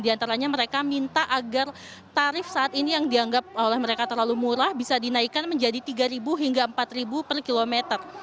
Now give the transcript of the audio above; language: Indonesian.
di antaranya mereka minta agar tarif saat ini yang dianggap oleh mereka terlalu murah bisa dinaikkan menjadi rp tiga hingga rp empat per kilometer